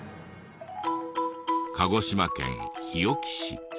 鹿児島県日置市。